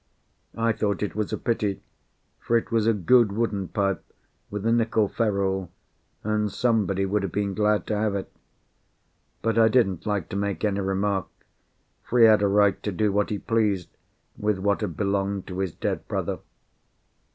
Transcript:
I thought it was a pity, for it was a good wooden pipe, with a nickel ferrule, and somebody would have been glad to have it. But I didn't like to make any remark, for he had a right to do what he pleased with what had belonged to his dead brother.